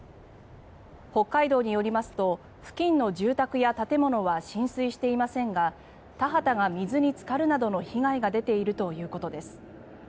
北海道によりますと付近の住宅や建物は浸水していませんが田畑が水につかるなどの被害が出ているということです。